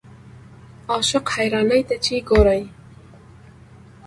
عاشق حیرانۍ ته چې ګورې.